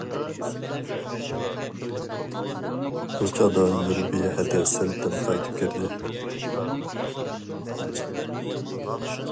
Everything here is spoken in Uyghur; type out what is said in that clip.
بۇ چاغدا نۇربىيە ھەدە سىرتتىن قايتىپ كىردى.